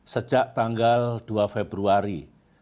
sejak tanggal dua februari dua ribu sembilan belas